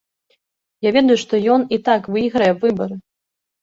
Я ведаю, што ён і так выйграе выбары!